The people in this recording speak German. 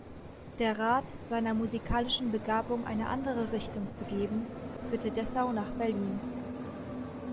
Der Rat, seiner musikalischen Begabung eine andere Richtung zu geben, führte Dessau nach Berlin.